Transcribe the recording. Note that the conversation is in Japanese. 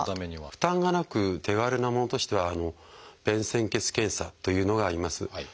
負担がなく手軽なものとしては「便潜血検査」というのがあります。